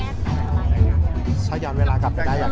แม็กซ์ก็คือหนักที่สุดในชีวิตเลยจริง